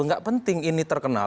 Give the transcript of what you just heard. nggak penting ini terkenal